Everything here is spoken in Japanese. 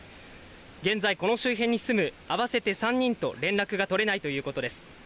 現在この周辺に住む合わせて３人と連絡が取れないということです。